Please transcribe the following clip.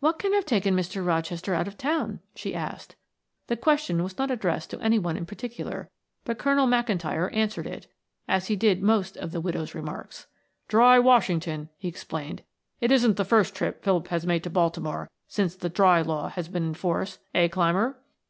"What can have taken Mr. Rochester out of town?" she asked. The question was not addressed to any one in particular, but Colonel McIntyre answered it, as he did most of the widow's remarks. "Dry Washington," he explained. "It isn't the first trip Philip has made to Baltimore since the 'dry' law has been in force, eh, Clymer?"